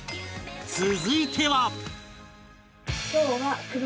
続いては